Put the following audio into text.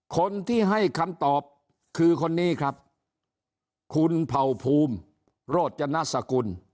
คนที่ให้คำตอบคือคนนี้ครับคุณเผ่าภูมิโรจนสกุล